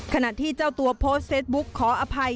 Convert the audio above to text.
ขณะที่เจ้าตัวโพสต์เฟซบุ๊กขออภัย